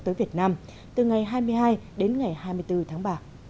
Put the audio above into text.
từ ngày hai mươi hai đến ngày hai mươi bốn tháng ba